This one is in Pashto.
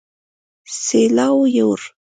سېلاو يوړ